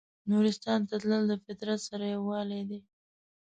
نورستان ته تلل د فطرت سره یووالی دی.